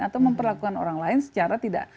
atau memperlakukan orang lain secara tidak